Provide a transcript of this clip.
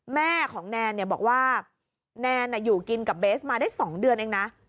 แม่ของแนนบอกว่าแนนอยู่กินกับเบสมาได้๒เดือนเองนะ